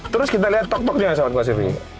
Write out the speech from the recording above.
terus kita lihat tok tok nya sobatkomunikasi tv